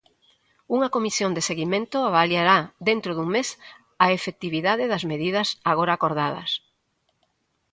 Unha comisión de seguimento avaliará dentro dun mes a efectividades das medidas agora acordadas.